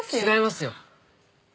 違いますよ。